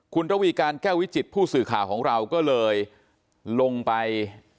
คุณระวีการแก้ววิจิตผู้สื่อข่าวของเราก็เลยลงไป